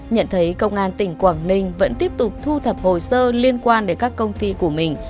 nhận thấy công an tỉnh quảng ninh vẫn tiếp tục thu thập hồ sơ liên quan đến các công ty của mình